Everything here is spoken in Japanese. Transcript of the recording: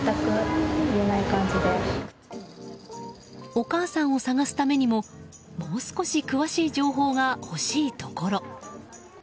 お母さんを捜すためにももう少し詳しい情報が欲しいところ。